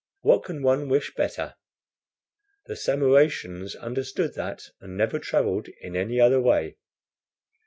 What can one wish better? The Samaratians understood that, and never traveled in any other way."